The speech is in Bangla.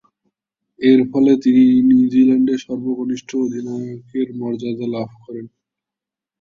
এরফলে তিনি নিউজিল্যান্ডের সর্বকনিষ্ঠ অধিনায়কের মর্যাদা লাভ করেন।